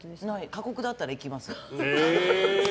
過酷だったら行きます。